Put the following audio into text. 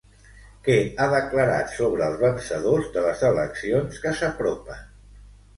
Què ha declarat sobre els vencedors de les eleccions que s'apropen?